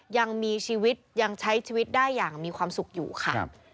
ยังมีชีวิตยังใช้ชีวิตได้อย่างมีความสุขอยู่ค่ะ